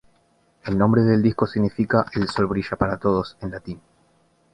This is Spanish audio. El nombre del disco significa "El sol brilla para todos" en latin.